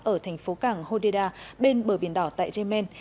ở thành phố cảng hodeida bên bờ biển đỏ tại yemen